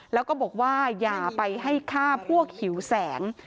แล้วก็บอกว่าอย่าไปให้ฆ่าพวกหิวแสง